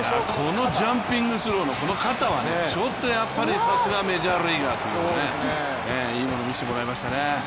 このジャンピングスローこの肩はねちょっとやっぱりさすがメジャーリーガーですねいいもの見せてもらいましたね。